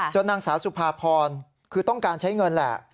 นางสาวสุภาพรคือต้องการใช้เงินแหละ